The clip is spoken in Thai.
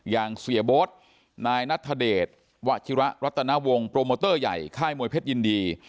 อย่างเสียโบ๊ทนายนัทเดชวัชิระรัตนวงโปรโมเตอร์ใหญ่ค่ายมวยเพชรยินดี